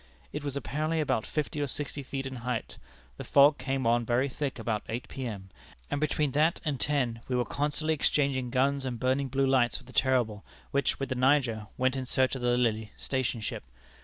It was apparently about fifty or sixty feet in height. The fog came on very thick about eight P.M., and between that and ten we were constantly exchanging guns and burning blue lights with the Terrible, which, with the Niger, went in search of the Lily, station ship.